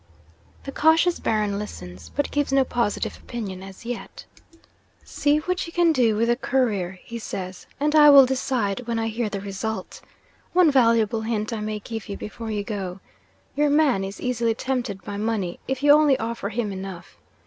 'The cautious Baron listens but gives no positive opinion, as yet. "See what you can do with the Courier," he says; "and I will decide when I hear the result. One valuable hint I may give you before you go. Your man is easily tempted by money if you only offer him enough.